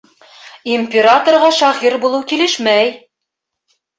Императорға шағир булыу килешмәй.